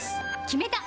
決めた！